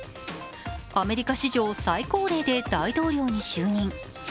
アメリカ史上最高齢で大統領就任。